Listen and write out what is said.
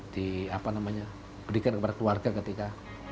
diberikan kepada keluarga ketika